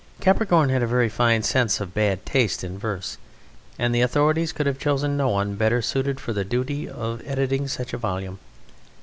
Capricorn had a very fine sense of bad taste in verse, and the authorities could have chosen no one better suited for the duty of editing such a volume.